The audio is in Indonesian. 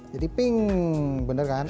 jadi ping bener kan